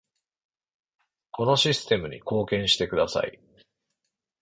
このシステムに貢献してください